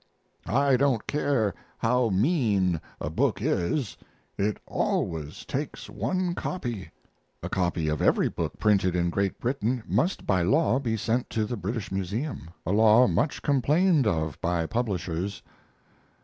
I don't care how mean a book is, it always takes one copy. [A copy of every book printed in Great Britain must by law be sent to the British Museum, a law much complained of by publishers.